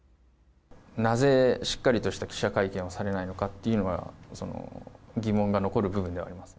なぜしっかりとした記者会見をされないのかというのが、疑問が残る部分ではあります。